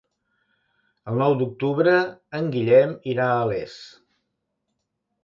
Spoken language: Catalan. El nou d'octubre en Guillem irà a Les.